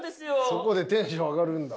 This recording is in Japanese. そこでテンション上がるんだ。